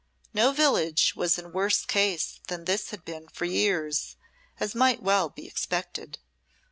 No village was in worse case than this had been for years, as might well be expected.